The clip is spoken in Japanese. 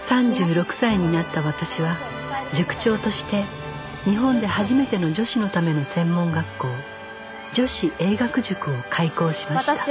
３６歳になった私は塾長として日本で初めての女子のための専門学校女子英学塾を開校しました